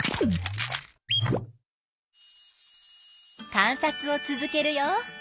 観察を続けるよ。